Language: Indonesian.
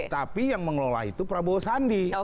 tapi yang mengelola itu prabowo sandi